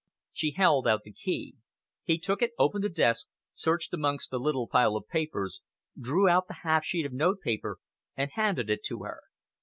She held out the key. He took it, opened the desk, searched amongst the little pile of papers, drew out the half sheet of notepaper, and handed it to her.